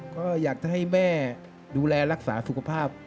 ก็อยากจะให้แม่ดูแลรักษาสุขภาพ